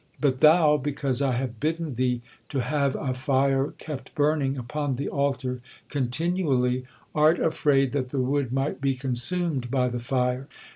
But thou, because I have bidden thee to have 'a fire kept burning upon the altar continually,' art afraid that the wood might be consumed by the fire.